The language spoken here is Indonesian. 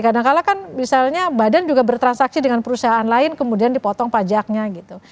kadang kadang kan misalnya badan juga bertransaksi dengan perusahaan lain kemudian dipotong pajaknya gitu